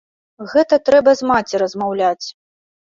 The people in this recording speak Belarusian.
Гэта трэба з маці размаўляць.